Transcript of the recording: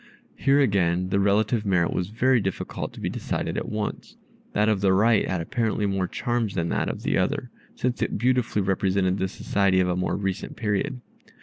Here again the relative merit was very difficult to be decided at once. That of the right had apparently more charms than that of the other, since it beautifully represented the society of a more recent period.